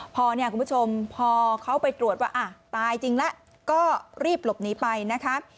พอเนี่ยคุณผู้ชมพอเขาไปตรวจว่าตายจริงแล้วก็รีบหลบหนีไปนะคะ